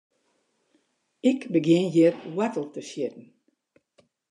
Ik begjin hjir woartel te sjitten.